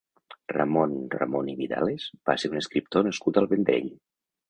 Ramon Ramon i Vidales va ser un escriptor nascut al Vendrell.